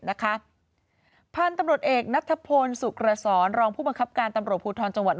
นะคะพันธุ์ตำรวจเอกนัทพลสุขรสรรองผู้บังคับการตำรวจภูทรจังหวัด